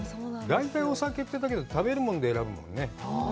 大体お酒って、だけど、食べるもので選ぶもんね。